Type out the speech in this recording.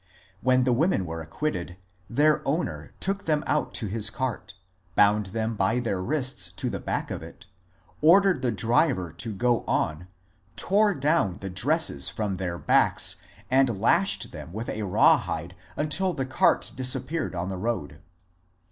When the women were acquitted their owner took them out to his cart, bound them by their wrists to the back of it, ordered the driver to go on, tore down the dresses from their backs, and lashed them with a raw hide until the cart disappeared on the road.